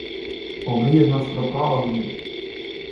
Obrir el nostre cor a algú.